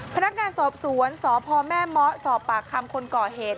พนักงานสอบสวนสพแม่เมาะสอบปากคำคนก่อเหตุ